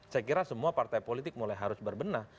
saya kira semua partai politik mulai harus berbenah